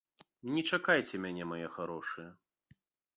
Не чакайце мяне, мае харошыя.